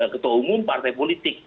ketua umum partai politik